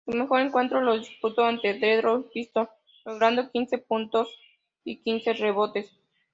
Su mejor encuentro lo disputó ante Detroit Pistons, logrando quince puntos y quince rebotes.